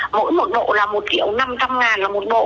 mỗi một độ là một triệu năm trăm linh ngàn là một độ